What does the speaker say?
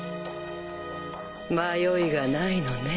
迷いがないのね。